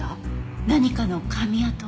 何かの噛み跡？